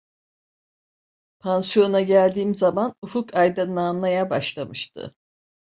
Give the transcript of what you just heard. Pansiyona geldiğim zaman ufuk aydınlanmaya başlamıştı.